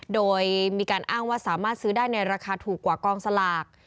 โดยมีการอ้างว่าสามารถซื้อได้ในราคาถูกกว่ากองสลาก